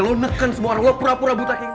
lo neken semua orang lo pura pura buta kayak gini